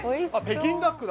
北京ダック！